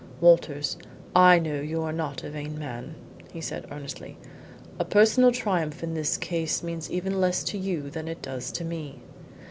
"Walters, I know you are not a vain man," he said, earnestly. "A personal triumph in this case means even less to you than it does to me.